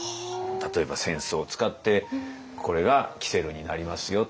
例えば扇子を使ってこれが煙管になりますよっていう。